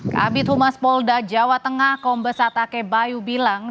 kabit humas polda jawa tengah kombes atake bayu bilang